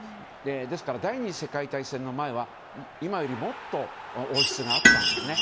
ですから第２次世界大戦の前は今よりもっと王室があったんですね。